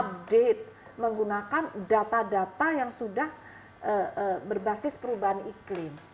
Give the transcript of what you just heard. update menggunakan data data yang sudah berbasis perubahan iklim